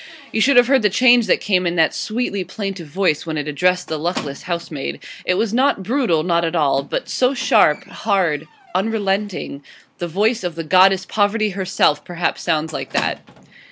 You should have heard the change that came in that sweetly plaintive voice when it addressed the luckless housemaid. It was not brutal; not at all. But so sharp, hard, unrelenting the voice of the goddess Poverty herself perhaps sounds like that.